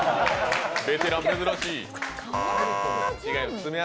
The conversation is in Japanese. ベテラン、珍しい。